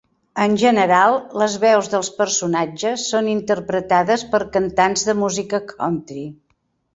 En general, les veus dels personatges són interpretades per cantants de música country.